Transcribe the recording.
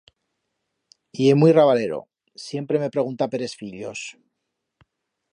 Ye muit rabalero, siempre me pregunta per es fillos.